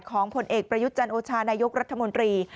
ผลเอกประยุทธ์จันโอชานายกรัฐมนตรี